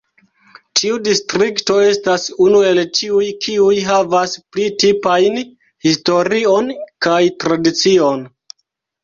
Tiu distrikto estas unu el tiuj kiuj havas pli tipajn historion kaj tradicion.